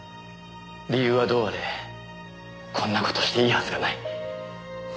理由はどうあれこんな事していいはずがない。